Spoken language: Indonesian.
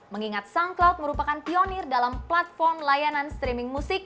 mengingat soundcloud merupakan pionir dalam platform layanan streaming musik